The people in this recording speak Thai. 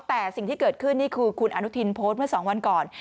แต่สิ่งที่เกิดขึ้นนี่คือคุณอนุทินโพสต์เมื่อ๒วันก่อน